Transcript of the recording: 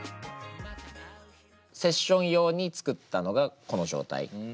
セッション用に作ったのがこの状態。